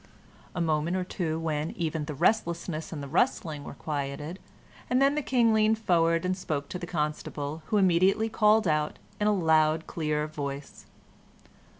A moment or two when even the restlessness and the rustling were quieted, and then the King leaned forward and spoke to the Constable, who immediately called out, in a loud, clear voice.